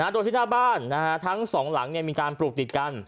โดยที่หน้าบ้านทั้งสองหลังมีการปลูกติดกัน